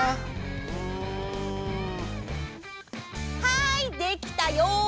はいできたよ！